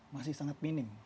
masih sangat mening